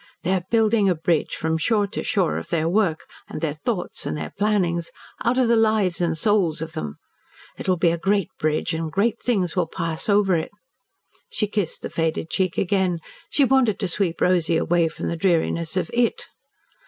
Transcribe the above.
They are building a bridge from shore to shore of their work, and their thoughts, and their plannings, out of the lives and souls of them. It will be a great bridge and great things will pass over it." She kissed the faded cheek again. She wanted to sweep Rosy away from the dreariness of "it."